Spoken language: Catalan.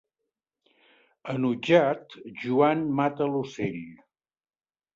Enutjat, Joan mata l'ocell.